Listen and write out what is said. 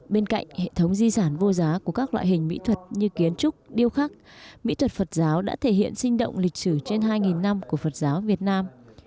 bên cạnh hệ thống di sản vô giá của các loại hình mỹ thuật như kiến trúc điêu khắc mỹ thuật phật giáo đã thể hiện sinh động lịch sử trên hai năm của phật giáo việt nam